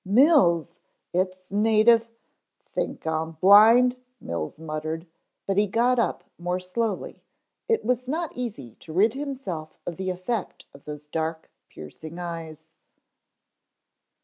"Mills, it's native " "Think I'm blind," Mills muttered, but he got up more slowly; it was not easy to rid himself of the effect of those dark piercing eyes.